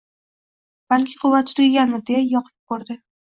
Balki quvvati tugagandir, deya yoqib ko`rdi